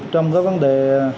trong các vấn đề